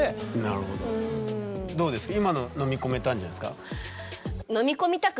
なるほどどうですか今ののみ込めたんじゃないですか？